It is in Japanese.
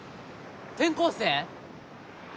転校生？